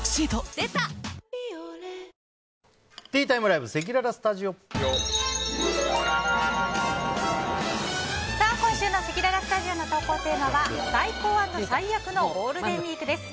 リンゴさんのは今週のせきららスタジオの投稿テーマは最高＆最悪のゴールデンウィークです。